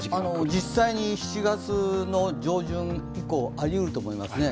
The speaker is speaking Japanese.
実際に７月の上旬以降、ありうると思いますね。